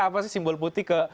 apa sih simbol putih